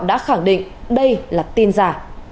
đã khẳng định đây là tin giả